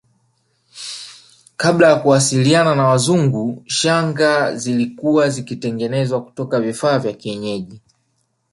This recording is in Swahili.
Kabla ya kuwasiliana na Wazungu shanga zilikuwa zikitengenezwa kutoka vifaa vya kienyeji